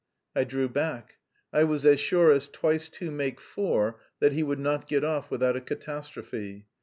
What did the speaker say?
I drew back. I was as sure as twice two make four that he would not get off without a catastrophe.